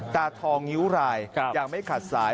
ตาทองนิ้วรายยังไม่ขาดสาย